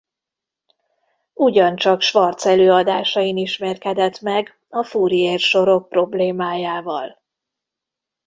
Ugyancsak Schwarz előadásain ismerkedett meg a Fourier-sorok problémájával.